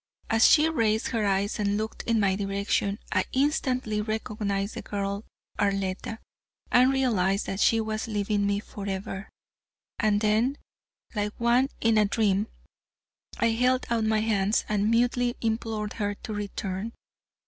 As she raised her eyes and looked in my direction, I instantly recognized the girl Arletta, and realized that she was leaving me forever. And then, like one in a dream, I held out my hands and mutely implored her to return.